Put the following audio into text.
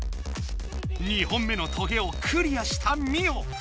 ２本目のトゲをクリアしたミオ。